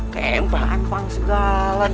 ke empang empang segala dud